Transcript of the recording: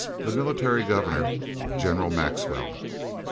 the Military Governor, General Maxwell.